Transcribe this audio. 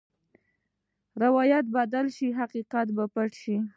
روایت بدل شي، حقیقت پټ شي.